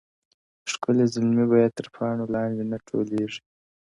ښکلي زلمي به یې تر پاڼو لاندي نه ټولیږي!!